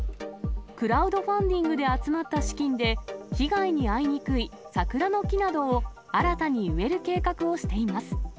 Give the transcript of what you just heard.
クラウドファンディングで集まった資金で、被害に遭いにくい桜の木などを新たに植える計画をしています。